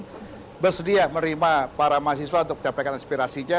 saya bersedia menerima para mahasiswa untuk mencapai aspirasinya